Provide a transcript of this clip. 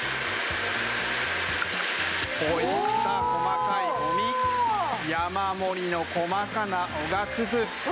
こういった細かいゴミ山盛りの細かなおがくず。